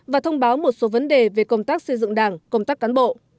và thông báo một số vấn đề về công tác xây dựng đảng công tác cán bộ